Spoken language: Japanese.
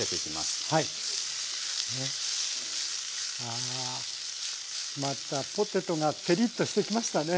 あぁまたポテトがてりっとしてきましたね。